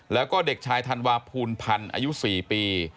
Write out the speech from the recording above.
แล้วก็เด็กชายธันวาภูลพันธ์อายุ๔ปี